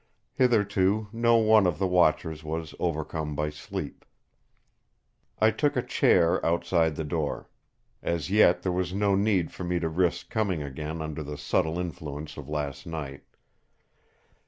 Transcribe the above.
Hitherto no one of the watchers was overcome by sleep. I took a chair outside the door. As yet there was no need for me to risk coming again under the subtle influence of last night.